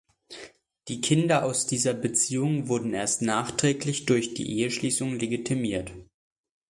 Die Kinder aus dieser Beziehung wurden erst nachträglich durch die Eheschließung legitimiert.